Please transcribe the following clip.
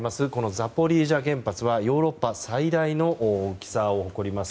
ザポリージャ原発はヨーロッパ最大の大きさを誇ります